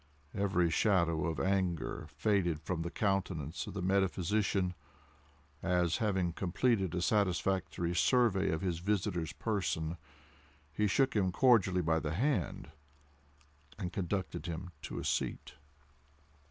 Every shadow of anger faded from the countenance of the metaphysician, as, having completed a satisfactory survey of his visitor's person, he shook him cordially by the hand, and conducted him to a seat.